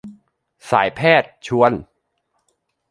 สายแพทย์ ชวน